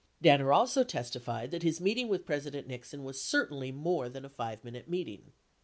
72 Danner also testified that his meeting with President Nixon was cer tainly more than a 5 minute meeting.